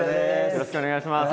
よろしくお願いします！